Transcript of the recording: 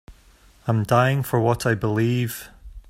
I'm dying for what I believe.